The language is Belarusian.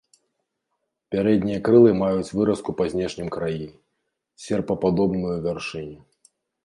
Пярэднія крылы маюць выразку па знешнім краі, серпападобную вяршыню.